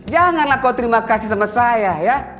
janganlah kau terima kasih sama saya ya